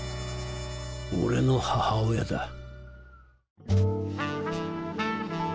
俺の母親だ。